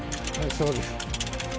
そうです。